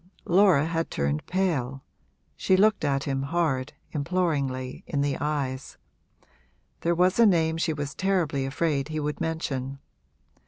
Laura had turned pale, she looked at him hard, imploringly, in the eyes: there was a name she was terribly afraid he would mention.